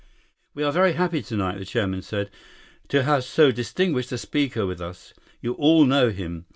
"We are very happy tonight," the chairman said, "to have so distinguished a speaker with us. You all know him.